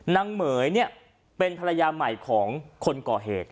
เหม๋ยเนี่ยเป็นภรรยาใหม่ของคนก่อเหตุ